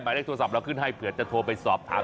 เลขโทรศัพท์เราขึ้นให้เผื่อจะโทรไปสอบถาม